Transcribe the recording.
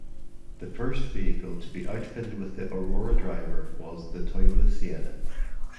The first vehicle to be outfitted with the Aurora Driver was the Toyota Sienna.